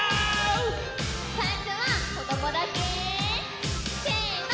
さいしょはこどもだけ！せの！